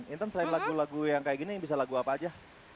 intens selain lagu lagu yang kayak gini bisa lagu apa aja